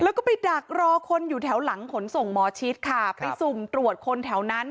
แล้วก็ไปดักรอคนอยู่แถวหลังขนส่งหมอชิดค่ะไปสุ่มตรวจคนแถวนั้น